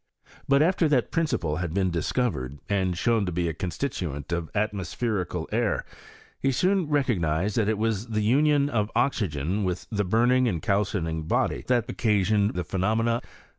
But alter that principle had been discovered, and shown to be a constituent of atmospherical air, he soon re cognised that it was the union of oxygen with the burning and calcining body that occasioned the phe nomena.